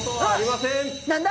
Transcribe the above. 何だ？